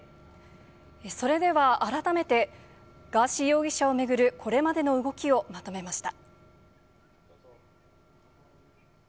それでは改めて、ガーシー容疑者を巡るこれまでの動きをまとめました。